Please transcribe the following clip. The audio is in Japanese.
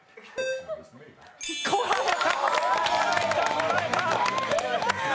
こらえた！